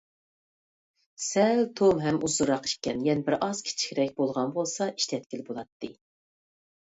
سەل توم ھەم ئۇزۇنراق ئىكەن، يەنە بىرئاز كىچىكرەك بولغان بولسا ئىشلەتكىلى بولاتتى.